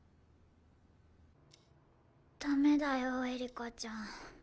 ダメだよエリカちゃん。